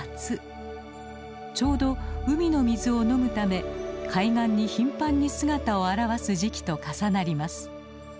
ちょうど海の水を飲むため海岸に頻繁に姿を現す時期と重なります。